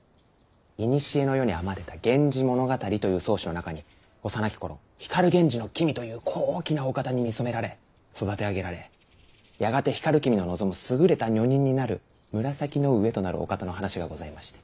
古の世に編まれた源氏物語という草子の中に幼き頃光源氏の君という高貴なお方に見初められ育て上げられやがて光君の望むすぐれた女人になる紫の上となるお方の話がございまして。